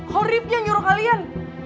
kau rifki yang nyuruh kalian